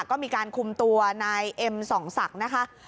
ก็มีการคุมตัวนายเอ็มส่องศักดิ์นะคะ